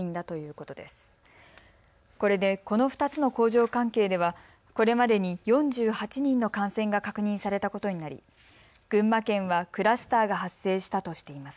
これで、この２つの工場関係ではこれまでに４８人の感染が確認されたことになり群馬県はクラスターが発生したとしています。